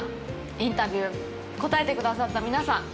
インタビュー答えてくださった皆さん